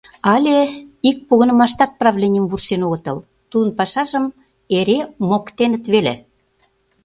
Але ик погынымаштат правленийым вурсен огытыл, тудын пашажым эре моктеныт веле.